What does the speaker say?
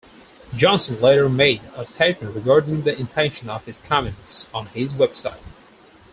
Johnson later made a statement regarding the intention of his comments on his website.